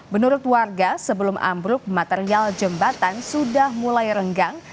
menurut warga sebelum ambruk material jembatan sudah mulai renggang